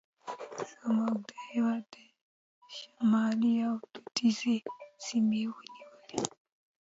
زموږ د هېواد شمالي او لوېدیځې سیمې ونیولې.